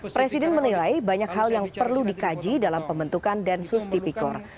presiden menilai banyak hal yang perlu dikaji dalam pembentukan densus tipikor